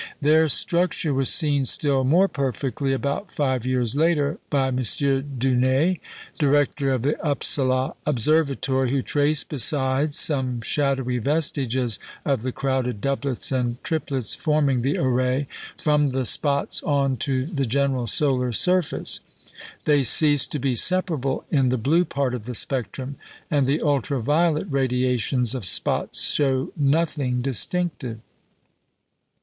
Their structure was seen still more perfectly, about five years later, by M. Dunér, Director of the Upsala Observatory, who traced besides some shadowy vestiges of the crowded doublets and triplets forming the array, from the spots on to the general solar surface. They cease to be separable in the blue part of the spectrum; and the ultra violet radiations of spots show nothing distinctive.